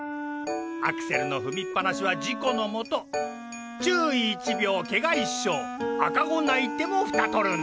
アクセルの踏みっぱなしは事故の元注意一秒ケガ一生赤子泣いてもフタ取るな。